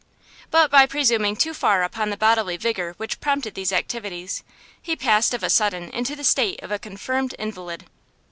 But by presuming too far upon the bodily vigour which prompted these activities, he passed of a sudden into the state of a confirmed invalid.